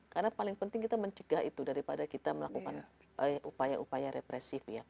karena paling penting kita mencegah itu daripada kita melakukan upaya upaya represif